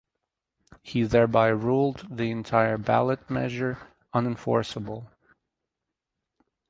He thereby ruled the entire ballot measure unenforceable.